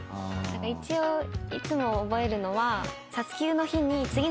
一応いつも覚えるのは。